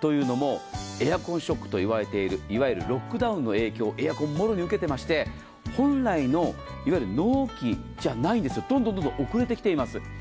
というのもエアコンショックと言われている、いわゆるロックダウンの影響、エアコンもろに受けていまして本来の、いわゆる納期じゃないんですよ、どんどん遅れてきています。